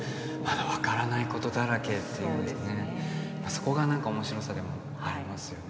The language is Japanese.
そこが何か面白さでもありますよね